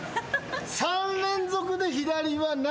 ３連続で左はない。